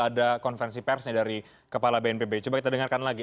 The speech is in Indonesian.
ada konferensi persnya dari kepala bnpb coba kita dengarkan lagi